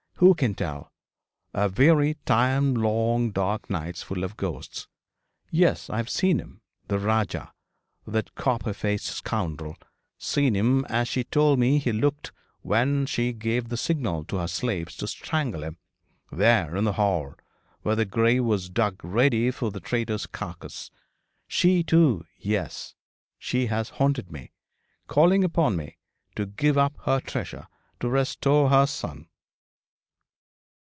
Who can tell? A weary time long, dark nights, full of ghosts. Yes, I have seen him the Rajah, that copper faced scoundrel, seen him as she told me he looked when she gave the signal to her slaves to strangle him, there in the hall, where the grave was dug ready for the traitor's carcass. She too yes, she has haunted me, calling upon me to give up her treasure, to restore her son.'